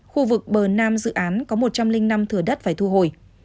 khu vực bờ nam dự án có một trăm linh năm thửa đất phải thu hồi